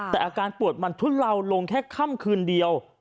แต่อาการปวดมันทุเลาลงแค่ค่ำคืนเดียว